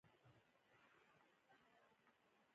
دښمن د تنقید له شا برید کوي